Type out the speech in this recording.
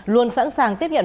luôn sẵn sàng tiếp nhận